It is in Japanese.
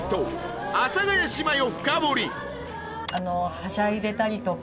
はしゃいでたりとか。